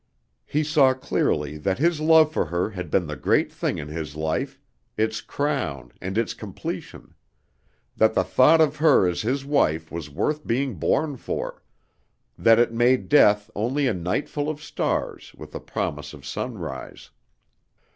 He saw clearly that his love for her had been the great thing in his life, its crown and its completion; that the thought of her as his wife was worth being born for; that it made death only a night full of stars with a promise of sunrise.